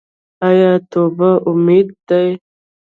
آیا توبه امید دی؟